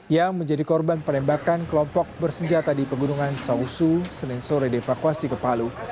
yang menjadi korban penembakan kelompok bersenjata di pegunungan sausu senin sore dievakuasi ke palu